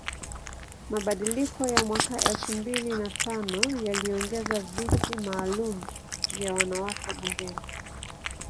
Mabadiliko ya mwaka elfu mbili na tano yaliongeza viti maalum vya wanawake bungeni